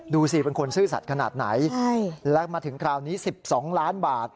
ดูสิเป็นคนซื่อสัตว์ขนาดไหนและมาถึงคราวนี้๑๒ล้านบาท